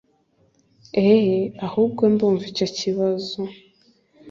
eheeeee ahubwo ndumva icyo kibazo